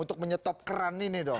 untuk menyetop keran ini dong